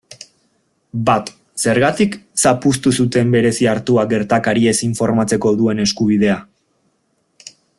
Bat, zergatik zapuztu zuten Bereziartuak gertakariez informatzeko duen eskubidea?